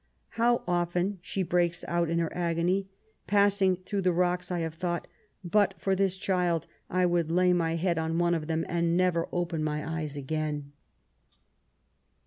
'^ How often^" she breaks out in her agony, ^* passing through the rocks, I have thought, ' But for this child, I would lay my head on one of them, and never open my eyes again